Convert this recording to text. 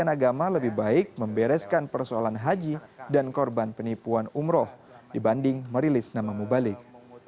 pendidikan agama lebih baik membereskan persoalan haji dan korban penipuan umroh dibanding merilis nama mubalik